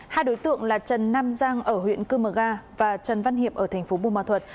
hai đối tượng là trần nam giang ở huyện cư mờ ga và trần văn hiệp ở thành phố bù ma thuật